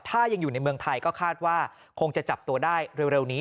ถ้ายังอยู่ในเมืองไทยก็คาดว่าคงจะจับตัวได้เร็วนี้